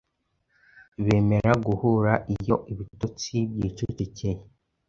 Bemera guhura Iyo ibitotsi byicecekeye